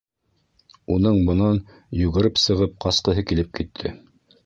Уның бынан йүгереп сығып ҡасҡыһы килеп китте.